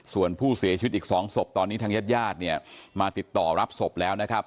ส่วนผู้เสียชีวิตอีก๒ศพตอนนี้ทางญาติญาติเนี่ยมาติดต่อรับศพแล้วนะครับ